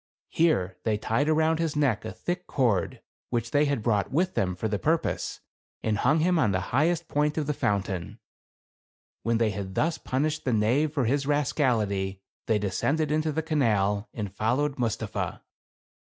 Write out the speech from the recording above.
Here they tied around his neck a thick cord, which they had brought with them for the purpose, and hung him on the highest point of the fountain. When they had thus punished the knave for his rascality, they descended into the canal and fol lowed Mustapha.